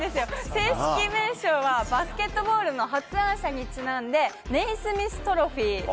正式名称は、バスケットボールの発案者にちなんで、ネイスミス・トロフィー。